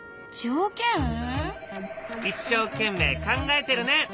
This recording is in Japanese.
一生懸命考えてるね。